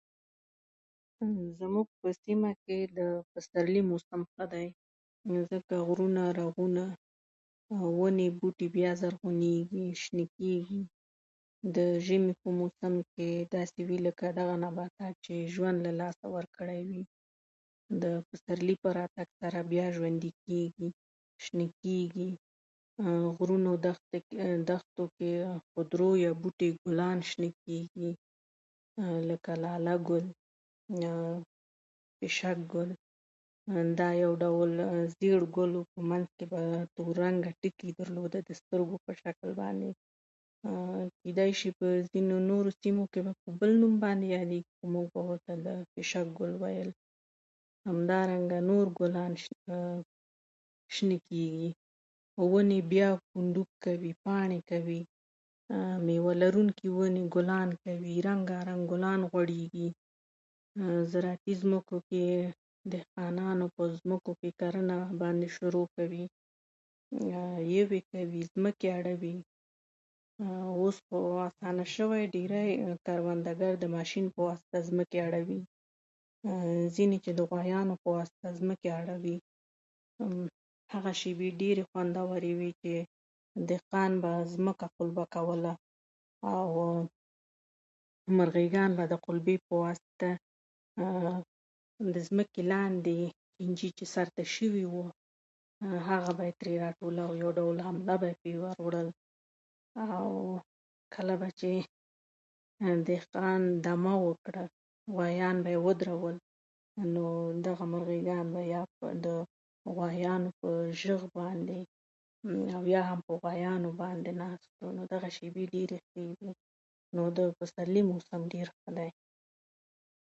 """د بلاک‌چین ټیکنالوژي نه یوازې په ډیجیټل اسعارو کې کارول کېږي، بلکې په راتلونکي کې به د معلوماتو د امنیت او روڼتیا لپاره په ټولو دولتي ادارو کې وکارول شي. د شیانو انټرنیټ موږ ته دا وړتیا راکوي چې د خپل کور برېښنايي وسایل له لیرې واټن څخه د موبایل په واسطه کنټرول کړو"